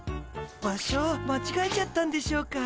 場所間違えちゃったんでしょうか？